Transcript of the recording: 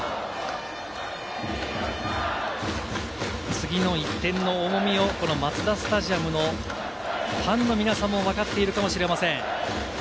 次の１点の重みをマツダスタジアムのファンの皆さんもわかっているかもしれません。